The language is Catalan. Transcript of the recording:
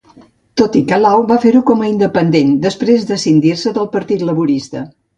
Tot i que Law va fer-ho com a independent després d'escindir-se del partit Laborista.